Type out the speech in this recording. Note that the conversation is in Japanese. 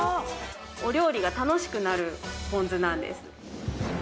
お料理が楽しくなるぽん酢なんです。